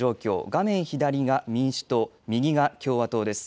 画面左が民主党、右が共和党です。